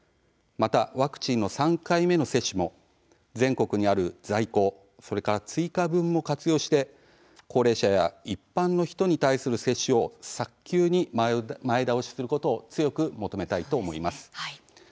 またワクチンの３回目の接種も全国にある在庫それから追加分も活用して高齢者や一般の人に対する接種を早急に前倒しすることを強く求めたいと思います。